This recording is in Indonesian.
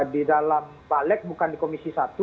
di dalam balik bukan di komisi satu